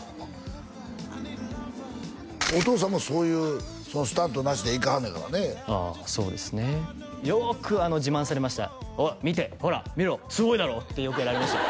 お父さんもそういうスタントなしでいかはんねやからねそうですねよく自慢されました「おい見てほら見ろすごいだろ！」ってよくやられましたよ